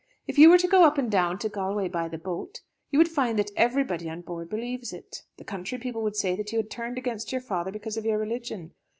If you were to go up and down to Galway by the boat, you would find that everybody on board believes it. The country people would say that you had turned against your father because of your religion.